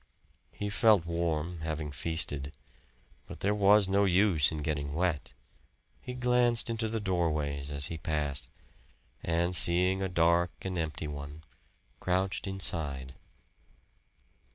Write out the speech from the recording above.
He felt warm, having feasted. But there was no use in getting wet. He glanced into the doorways as he passed, and seeing a dark and empty one, crouched inside.